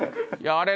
あれ。